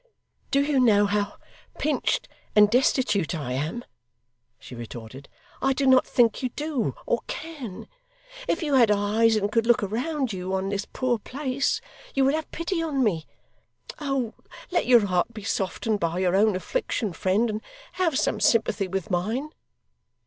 'Do you know how pinched and destitute I am?' she retorted. 'I do not think you do, or can. If you had eyes, and could look around you on this poor place, you would have pity on me. Oh! let your heart be softened by your own affliction, friend, and have some sympathy with mine.